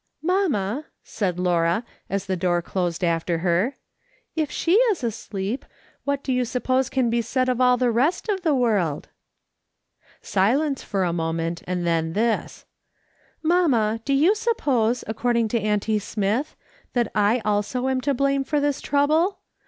" Mamma," said Laura, as the door closed after her, " if she is asleep, what do you suppose can be ''YOU'VE HELPED ALONG IN THIS WORK." 235 said of all the rest of the world ?" Silence for a moment, and then this :" Mamma, do you suppose, according to auntie Smith, that I also am to blame for this trouble